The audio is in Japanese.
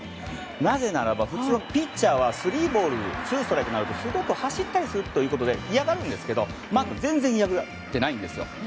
なぜならば、普通ピッチャーはスリーボールツーストライクになるとすごく走ったりするということで嫌がるんですけどマー君全然嫌がってないんです。